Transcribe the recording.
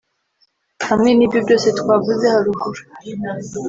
Hamwe n’ibyo byose twavuze haruguru